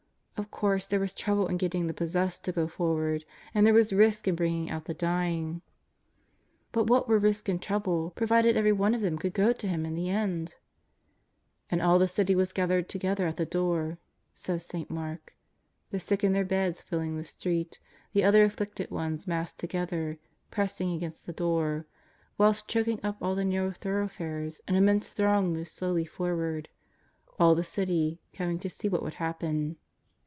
Of course there was trouble in getting the possessed to go forward, and there was risk in bringing out the dying. But what 174 JESUS OF NAZAKETH. were risk and trouble provided every one of them could get to Him in the end ! "And all the city was gathered together at the door," says 8t. j\Iark; the sick in their beds filling the street, the other atHicted ones massed together, pressing against the door; whilst choking up all the narrow thorough fares an immense throng moved slowly forward, " all the city " coming to see what would happen.